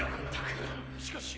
しかし。